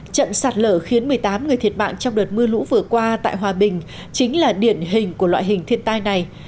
trận sạt lở khiến một mươi tám người thiệt mạng trong đợt mưa lũ vừa qua tại hòa bình chính là điển hình của loại hình thiên tai này